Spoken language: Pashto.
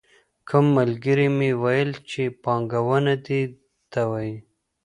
کوم ملګري مې ویل چې پانګونه دې ته وايي.